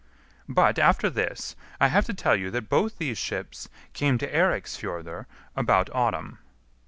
But, after this, I have to tell you that both these ships came to Eiriksfjordr about autumn.